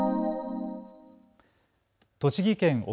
栃木県奥